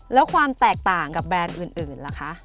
แล้วความแตกต่างกับแบรนด์อื่นล่ะคะ